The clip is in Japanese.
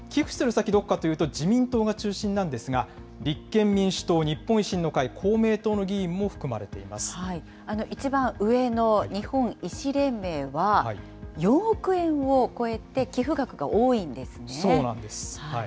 寄付する先、どこかといいますと、自民党が中心なんですが、立憲民主党、日本維新の会、公明党の議員も含まれてい一番上の日本医師連盟は４億そうなんです。